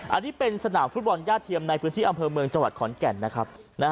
อันนี้เป็นสนามฟุตบอลย่าเทียมในพื้นที่อำเภอเมืองจังหวัดขอนแก่นนะครับ